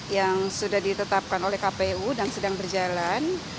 yang sudah ditetapkan oleh kpu dan sedang berjalan